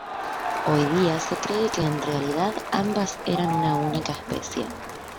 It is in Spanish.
Hoy día se cree que en realidad ambas eran una única especie.